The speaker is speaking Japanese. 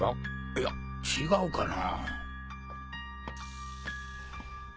いや違うかな？